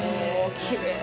きれい！